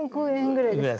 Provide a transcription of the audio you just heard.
ぐらいですね。